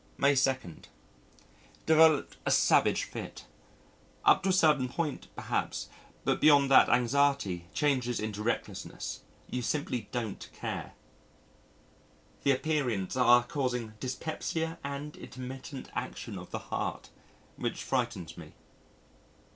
May 2. Developed a savage fit. Up to a certain point, perhaps, but beyond that anxiety changes into recklessness you simply don't care. The aperients are causing dyspepsia and intermittent action of the heart, which frightens me.